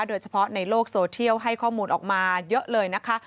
โดยเฉพาะในโลกโซเทียลให้ข้อมูลออกมาเยอะเลยนะคะ